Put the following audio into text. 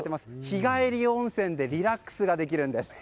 日帰り温泉でリラックスができるんです。